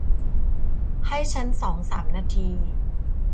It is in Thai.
ให้ฉันสองสามนาที